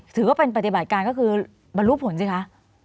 ถือว่าเป็นปฏิบัติการก็คือบรรลุผลสิคะ